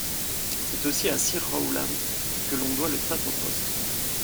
C'est aussi à Sir Rowland que l'on doit le timbre-poste.